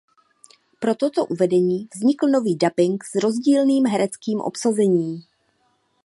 Pro toto uvedení vznikl nový dabing s rozdílným hereckým obsazením.